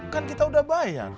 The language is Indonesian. kan kita udah bayar